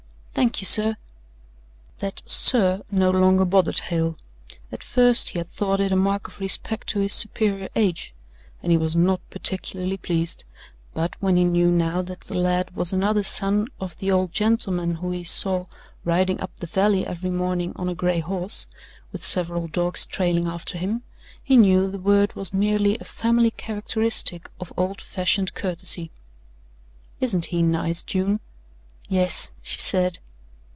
"Thank you, sir." That "sir" no longer bothered Hale. At first he had thought it a mark of respect to his superior age, and he was not particularly pleased, but when he knew now that the lad was another son of the old gentleman whom he saw riding up the valley every morning on a gray horse, with several dogs trailing after him he knew the word was merely a family characteristic of old fashioned courtesy. "Isn't he nice, June?" "Yes," she said.